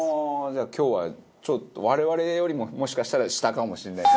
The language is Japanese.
じゃあ今日はちょっと我々よりももしかしたら下かもしれない。